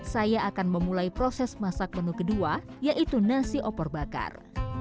saya akan memulai proses masak menu kedua yaitu nasi opor bakar